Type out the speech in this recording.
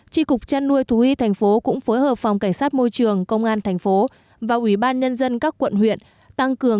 tri cục trăn nuôi thú hy tp hcm cũng phối hợp phòng cảnh sát môi trường công an tp hcm và ủy ban nhân dân các quận huyện